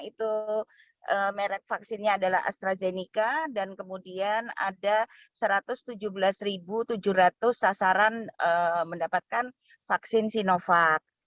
itu merek vaksinnya adalah astrazeneca dan kemudian ada satu ratus tujuh belas tujuh ratus sasaran mendapatkan vaksin sinovac